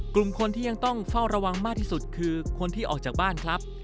กลุ่มคนที่ยังต้องเฝ้าระวังมากที่สุดคือคนที่ออกจากบ้านครับ